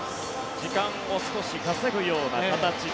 時間を少し稼ぐような形で。